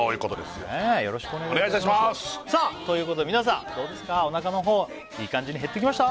よろしくお願いいたしますさあということで皆さんどうですかおなかのほういい感じに減ってきました？